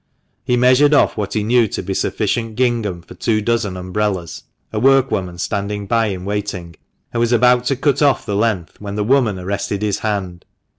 He measured off what he knew to be sufficient gingham for two dozen umbrellas (a workwoman standing by in waiting), and was about to cut off the length when the woman arrested his hand.